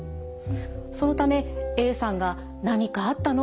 そのためＡさんが「何かあったの？